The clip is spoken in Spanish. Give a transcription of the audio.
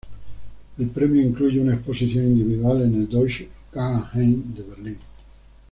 El premio incluye una exposición individual en el Deutsche Guggenheim de Berlín.